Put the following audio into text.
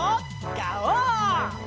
ガオー！